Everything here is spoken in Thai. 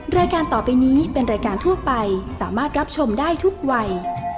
รายการต่อไปนี้เป็นรายการทั่วไปสามารถรับชมได้ทุกวัย